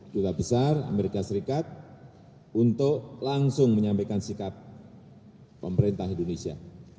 duta besar amerika serikat untuk langsung menyampaikan sikap pemerintah indonesia